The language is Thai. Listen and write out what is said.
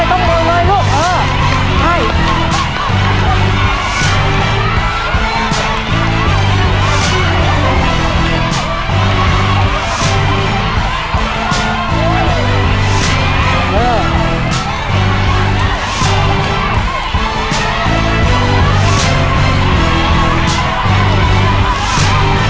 เร็วเลยต้องเร็วเลยลูกเออใช่